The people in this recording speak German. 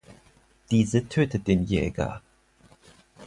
Diese tötet den Jäger.